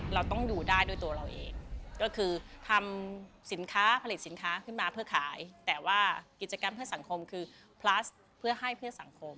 เราต้องอยู่ได้ด้วยตัวเราเอง